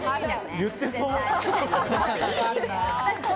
言ってそう。